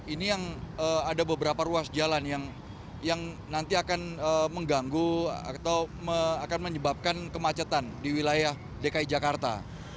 ini yang ada beberapa ruas jalan yang nanti akan mengganggu atau akan menyebabkan kemacetan di wilayah dki jakarta